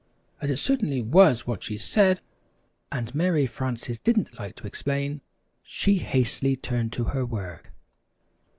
As it certainly was what she said, and Mary Frances didn't like to explain, she hastily turned to her work.